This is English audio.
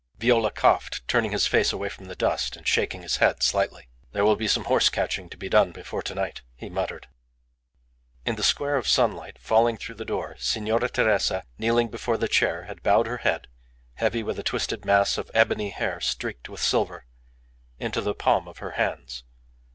Viola coughed, turning his face away from the dust, and shaking his head slightly. "There will be some horse catching to be done before to night," he muttered. In the square of sunlight falling through the door Signora Teresa, kneeling before the chair, had bowed her head, heavy with a twisted mass of ebony hair streaked with silver, into the palm of her hands.